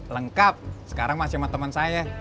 lengkap sekarang masih sama teman saya